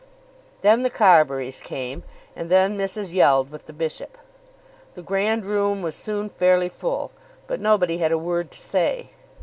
Then the Carburys came, and then Mrs. Yeld with the bishop. The grand room was soon fairly full; but nobody had a word to say.